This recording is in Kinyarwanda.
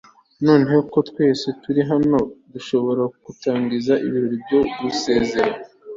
noneho ko twese turi hano, dushobora gutangiza ibirori byo gusezera